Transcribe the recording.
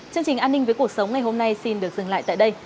chương trình an ninh với cuộc sống ngày hôm nay xin được dừng lại tại đây